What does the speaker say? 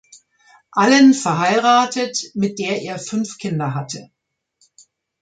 Allen verheiratet, mit der er fünf Kinder hatte.